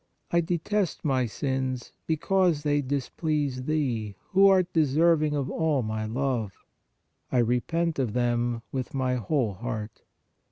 I detest my sins, because they displease Thee, who art deserving of all my love; I repent of them with my whole heart.